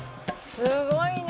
「すごいね！」